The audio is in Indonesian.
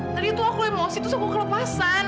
tadi tuh aku emosi terus aku kelepasan